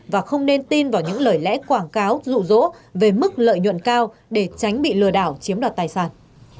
và không nên tin vào những lời lẽ quảng cáo rụ rỗ về mức lợi nhuận cao để tránh bị lừa đảo chiếm đoạt tài sản